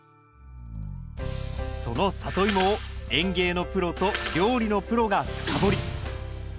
そのサトイモを園芸のプロと料理のプロが深掘り！